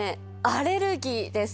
アレルギーです。